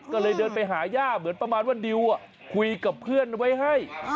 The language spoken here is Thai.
ก็เลยเดินไปหาย่าเหมือนประมาณว่าดิวคุยกับเพื่อนไว้ให้